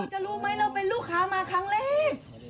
จะรู้มั้ยเราเป็นลูกค้ามาครั้งเล็ก